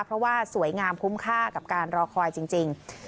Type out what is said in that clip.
เพราะว่าสวยงามคุ้มค่ากับการรอคอยจริง